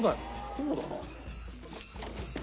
こうだな。